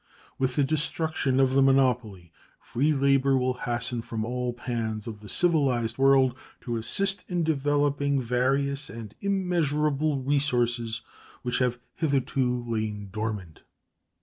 With the destruction of the monopoly free labor will hasten from all pans of the civilized world to assist in developing various and immeasurable resources which have hitherto lain dormant.